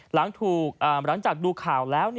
หลังจากดูข่าวแล้ว